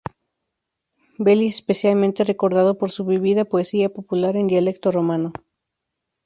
Belli es especialmente recordado por su vívida poesía popular en dialecto romano.